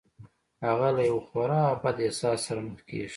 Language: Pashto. هغه له یوه خورا بد احساس سره مخ کېږي